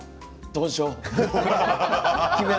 どうしよう。